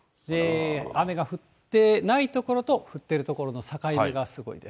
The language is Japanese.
雨が降ってない所と降っている所の境目がすごいです。